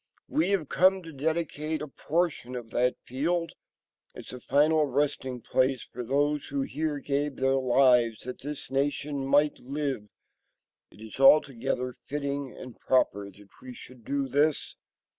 We have come to dedicate a portion of that field as a final resting place for those who here gave their lives that this nation might live. It is altogether fitting and proper that we should do this.